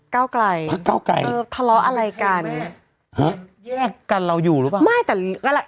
เก้าไก่พระเก้าไก่ให้แม่แยกกันเราอยู่หรือเปล่าหรือเปล่า